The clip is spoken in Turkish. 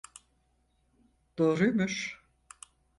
Doğruymuş.